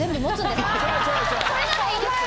それならいいですよ。